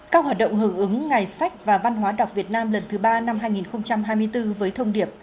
các hoạt động hưởng ứng ngày sách và văn hóa đọc việt nam lần thứ ba năm hai nghìn hai mươi bốn với thông điệp